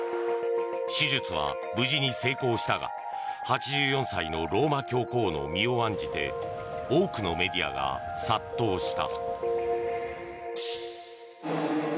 手術は無事に成功したが８４歳のローマ教皇の身を案じて多くのメディアが殺到した。